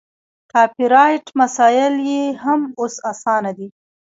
کاپي رایټ مسایل یې هم اوس اسانه دي.